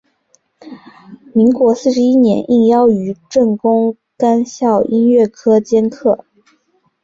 民国四十一年应邀于政工干校音乐科兼课。